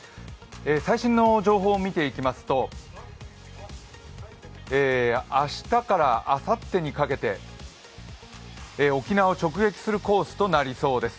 最新の情報を見ていきますと、明日からあさってにかけて沖縄を直撃するコースとなりそうです。